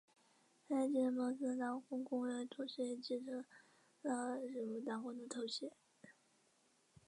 他在继承莫斯科大公公位同时也继承了弗拉基米尔大公的头衔。